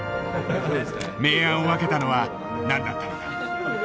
明暗を分けたのは何だったのか。